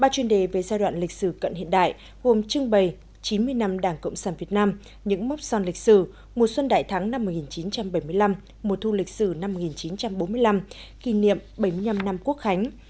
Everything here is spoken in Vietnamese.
ba chuyên đề về giai đoạn lịch sử cận hiện đại gồm trưng bày chín mươi năm đảng cộng sản việt nam những móc son lịch sử mùa xuân đại thắng năm một nghìn chín trăm bảy mươi năm mùa thu lịch sử năm một nghìn chín trăm bốn mươi năm kỷ niệm bảy mươi năm năm quốc khánh